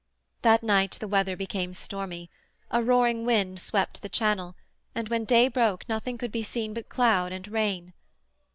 That night the weather became stormy; a roaring wind swept the Channel, and when day broke nothing could be seen but cloud and rain.